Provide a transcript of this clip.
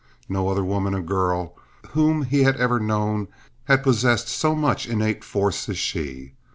No other woman or girl whom he had ever known had possessed so much innate force as she.